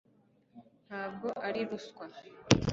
ntabwo ari ruswa